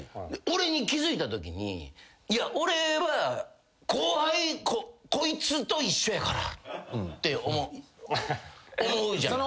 俺に気付いたときにいや俺は後輩こいつと一緒やからって思うじゃない。